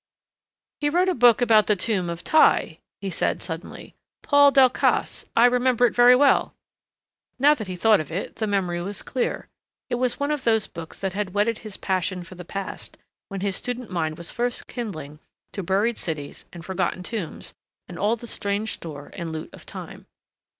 "He wrote a book on the Tomb of Thi," he said suddenly. "Paul Delcassé I remember it very well." Now that he thought of it, the memory was clear. It was one of those books that had whetted his passion for the past, when his student mind was first kindling to buried cities and forgotten tombs and all the strange store and loot of time.